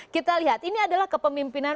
kita lihat ini adalah kepemimpinan